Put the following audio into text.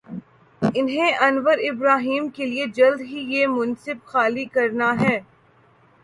انہیں Anwar Ibrahim کے لیے جلد ہی یہ منصب خالی کر نا ہے۔